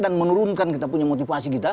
dan menurunkan kita punya motivasi kita